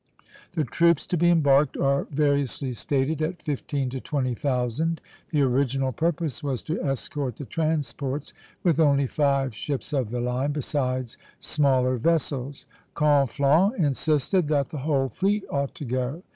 The troops to be embarked are variously stated at fifteen to twenty thousand. The original purpose was to escort the transports with only five ships of the line, besides smaller vessels. Conflans insisted that the whole fleet ought to go.